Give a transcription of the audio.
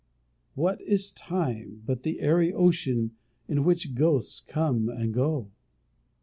What is time, but the airy ocean in which ghosts come and go!